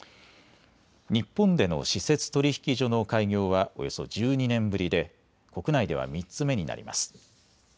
日本での私設取引所の開業はおよそ１２年ぶりで国内では３つ目になります。